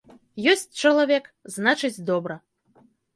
Ёсць чалавек, значыць, добра.